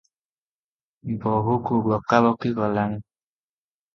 ବୋହୂକୁ ବକାବକି କଲାଣି ।